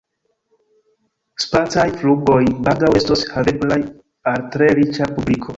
Spacaj flugoj baldaŭ estos haveblaj al tre riĉa publiko.